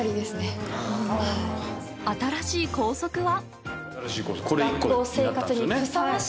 新しい校則は。